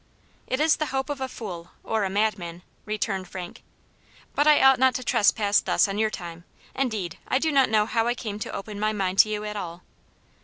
" It is the hope of a fool, or a madman," returned Frank. " But I ought not to trepass thus on your time. Indeed, I do not know how I came to open my mind to you at all."